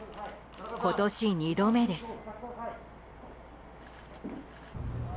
今年２度目です。